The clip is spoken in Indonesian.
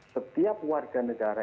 setiap warga negara